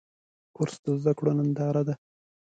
کورس د زده کړو ننداره ده.